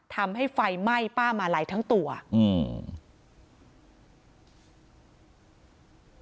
ทำให้ไฟไหม้ป้ามาลัยทั้งตัวอืม